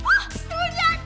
wah tuh dia